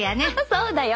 そうだよ。